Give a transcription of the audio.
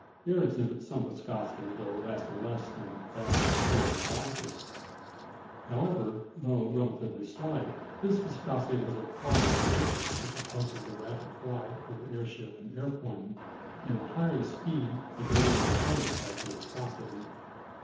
Air exhibits some viscosity, though vastly less than that of cold molasses. However, though relatively slight, this viscosity has a part in the resistance which opposes the rapid flight of the airship and aeroplane; and the higher the speed, the greater the retarding effect of viscosity.